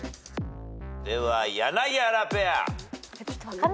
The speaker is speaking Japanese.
では柳原ペア。